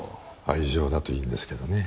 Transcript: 愛情だといいんですけどね。